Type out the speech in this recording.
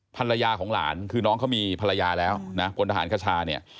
ภรรยาของหลานคือน้องเขามีภรรยาแล้วนะพลทหารคชาเนี่ย